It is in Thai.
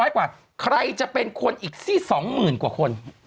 ๗๐๐กว่าใครจะเป็นคนอีกที่๒หมื่นกว่าคน